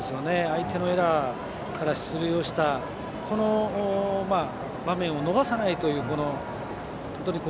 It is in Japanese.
相手のエラーから出塁した場面を逃さないという。